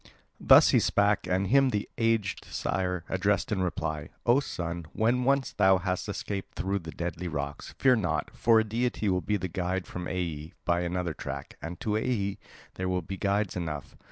Thus he spake, and him the aged sire addressed in reply: "O son, when once thou hast escaped through the deadly rocks, fear not; for a deity will be the guide from Aea by another track; and to Aea there will be guides enough.